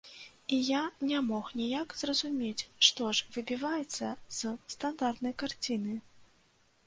І я не мог ніяк зразумець, што ж выбіваецца з стандартнай карціны.